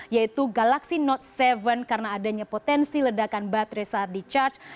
yaitu galaxy note tujuh karena adanya potensi ledakan baterai saat di charge